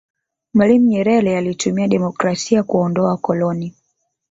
mwalimu nyerere alitumia demokrasia kuwaondoa wakoloni